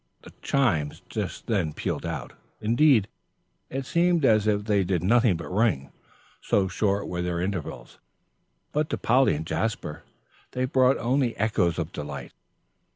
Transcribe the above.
The chimes just then pealed out. Indeed, it seemed as if they did nothing but ring, so short were the intervals. But to Polly and Jasper they brought only echoes of delight.